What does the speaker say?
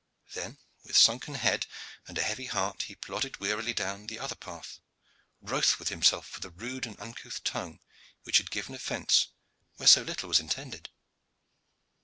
Then, with a sunken head and a heavy heart, he plodded wearily down the other path, wroth with himself for the rude and uncouth tongue which had given offence where so little was intended.